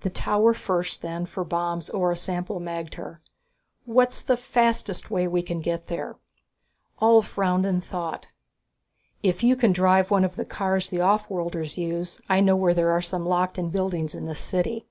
"The tower first then, for bombs or a sample magter. What's the fastest way we can get there?" Ulv frowned in thought. "If you can drive one of the cars the offworlders use, I know where there are some locked in buildings in this city.